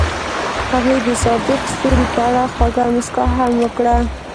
هغې د صادق ستوري په اړه خوږه موسکا هم وکړه.